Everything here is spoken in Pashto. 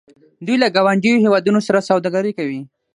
دوی له ګاونډیو هیوادونو سره سوداګري کوي.